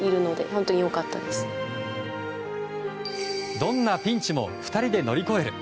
どんなピンチも２人で乗り越える。